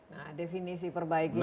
nah definisi perbaikinya